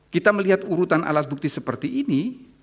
kita melihat urutan alat bukti seperti ini